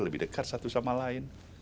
lebih dekat satu sama lain